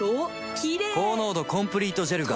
キレイ高濃度コンプリートジェルが